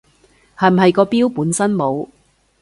係唔係個表本身冇